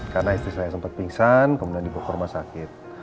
karena istri saya sempat pingsan kemudian diberi forma sakit